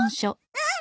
うん。